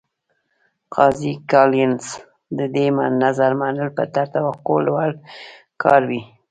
قاضي کالینز د دې نظر منل به تر توقع لوړ کار وي.